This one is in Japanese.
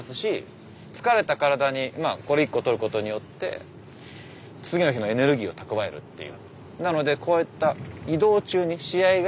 これ１個とることによって次の日のエネルギーを蓄えるっていう。